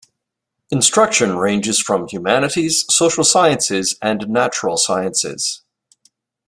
Instruction ranges from humanities, social sciences, and natural sciences.